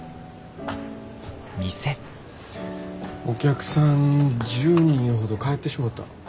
お客さん１０人ほど帰ってしもた。